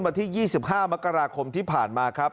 วันที่๒๕มกราคมที่ผ่านมาครับ